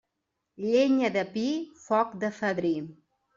Llenya de pi, foc de fadrí.